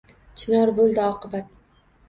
Chinor bo’ldi oqibat.